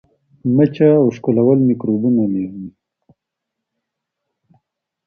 مچه او ښکلول میکروبونه لیږدوي.